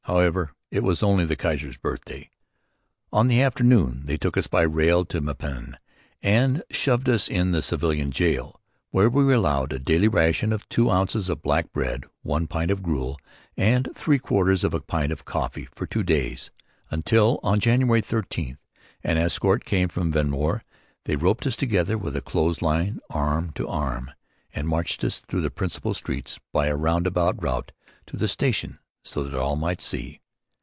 However, it was only the Kaiser's birthday. In the afternoon they took us by rail to Meppen and shoved us in the civilian jail, where we were allowed a daily ration of two ounces of black bread, one pint of gruel and three quarters of a pint of coffee for two days, until, on January thirtieth, an escort came from Vehnmoor. They roped us together with a clothes line, arm to arm, and marched us through the principal streets by a roundabout route to the station so that all might see.